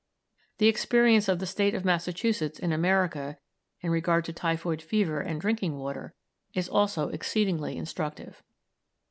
The experience of the State of Massachusetts in America, in regard to typhoid fever and drinking water, is also exceedingly instructive.